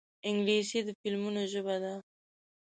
انګلیسي د فلمونو ژبه ده